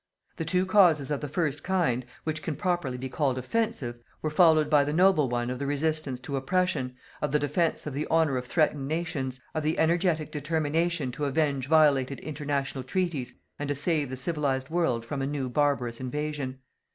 The two causes of the first kind which can properly be called offensive, were followed by the noble one of the resistance to oppression, of the defence of the honour of threatened nations, of the energetic determination to avenge violated international treaties, and to save the civilized world from a new barbarous invasion.